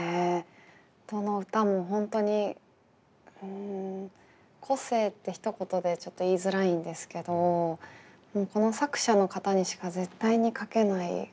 どの歌も本当に個性って一言でちょっと言いづらいんですけどこの作者の方にしか絶対に書けない空気感っていうんですかね